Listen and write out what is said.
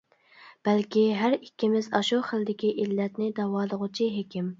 بەلكى ھەر ئىككىمىز ئاشۇ خىلدىكى ئىللەتنى داۋالىغۇچى ھېكىم.